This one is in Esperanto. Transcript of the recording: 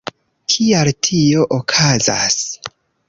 Kial tio okazas?